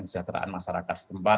kesejahteraan masyarakat setempat